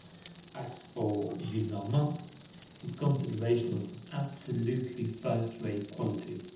As for M. Gillenormand, his consideration was of absolutely first rate quality.